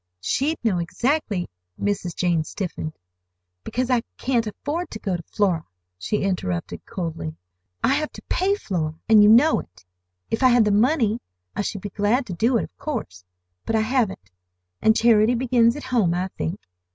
She'd know exactly—" Mrs. Jane stiffened. "Because I can't afford to go to Flora," she interrupted coldly. "I have to pay Flora, and you know it. If I had the money I should be glad to do it, of course. But I haven't, and charity begins at home I think.